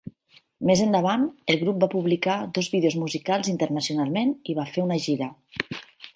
Més endavant, el grup va publicar dos vídeos musicals internacionalment i va fer una gira.